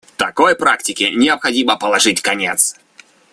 Такой практике необходимо положить конец.